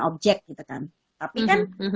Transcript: objek gitu kan tapi kan